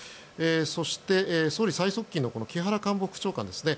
そして総理最側近の木原官房副長官ですね。